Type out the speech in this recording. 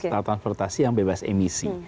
transportasi yang bebas emisi